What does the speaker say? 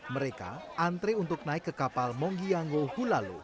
mereka antri untuk naik ke kapal monggiango hulalu